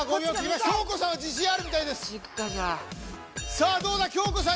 自信ありさあどうだ京子さん